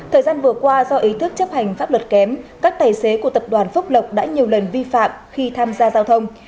thời gian vừa qua do ý thức chấp hành pháp luật kém các tài xế của tập đoàn phúc lộc đã nhiều lần vi phạm khi tham gia giao thông